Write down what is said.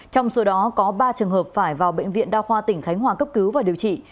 trong số đó có ba trường hợp phải vào bệnh viện đa khoa tỉnh khánh hòa cấp cứu và điều trị